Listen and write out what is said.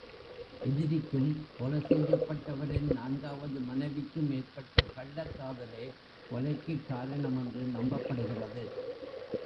எதிரிக்கும் கொலை செய்யப்பட்டவரின் நான்காவது மனைவிக்கும் ஏற்பட்ட கள்ளக் காதலே கொலைக்குக் காரணமென்று நம்பப்படுகிறது.